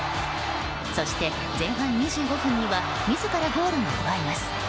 そして前半２５分には自らゴールを奪います。